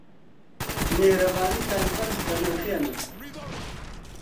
میهرەبانیتان بەرز دەنرخێنم.